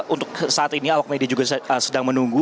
untuk saat ini awak media juga sedang menunggu